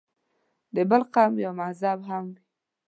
د بل قوم یا مذهب هم وي.